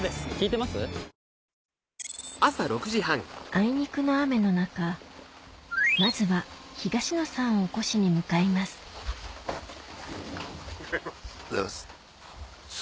あいにくの雨の中まずは東野さんを起こしにおはようございます。